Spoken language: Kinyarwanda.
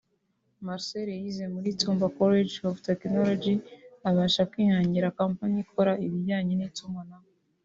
Marcel yize muri Tumba College of Techonology abasha kwihangira kompanyi ikora ibijyanye n’itumanaho